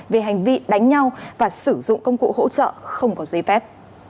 về hành vi đánh nhau và sử dụng công cụ hỗ trợ không có giấy phép